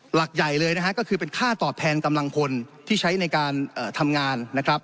หลักใหญ่เลยนะฮะก็คือเป็นค่าตอบแทนกำลังพลที่ใช้ในการทำงานนะครับ